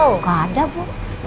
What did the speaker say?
oh nggak ada bu